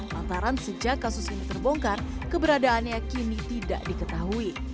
lantaran sejak kasus ini terbongkar keberadaannya kini tidak diketahui